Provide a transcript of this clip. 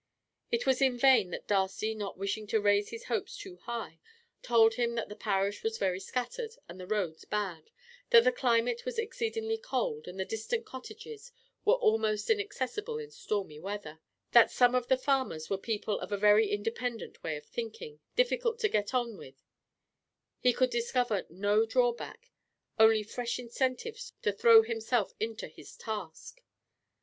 It was in vain that Darcy, not wishing to raise his hopes too high, told him that the parish was very scattered and the roads bad, that the climate was exceedingly cold and the distant cottages were almost inaccessible in stormy weather, that some of the farmers were people of a very independent way of thinking, difficult to get on with he could discover no drawback, only fresh incentives to throw himself into his task.